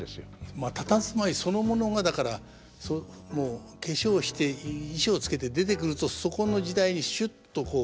まあたたずまいそのものがだからもう化粧して衣装着けて出てくるとそこの時代にしゅっとこう。